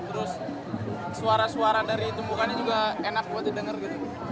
terus suara suara dari tumpukannya juga enak buat didengar gitu